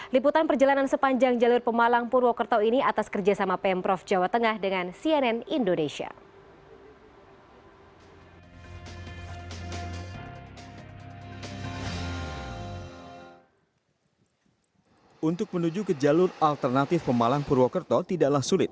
liputan perjalanan sepanjang jalur pemalang purwokerto ini atas kerjasama pemprov jawa tengah dengan cnn indonesia